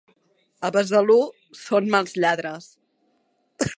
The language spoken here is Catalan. A Besalú són mals lladres.